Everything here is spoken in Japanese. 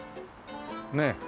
ねえ。